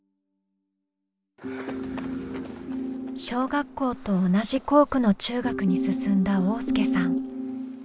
小学校と同じ校区の中学に進んだ旺亮さん。